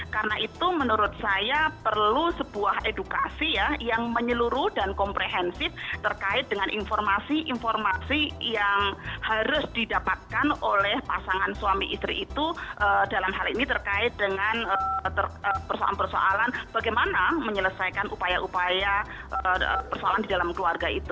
karena itu menurut saya perlu sebuah edukasi yang menyeluruh dan komprehensif terkait dengan informasi informasi yang harus didapatkan oleh pasangan suami istri itu dalam hal ini terkait dengan persoalan persoalan bagaimana menyelesaikan upaya upaya persoalan di dalam keluarga itu